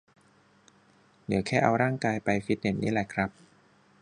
เหลือแค่เอาร่างกายไปฟิตเนสนี่แหละครับ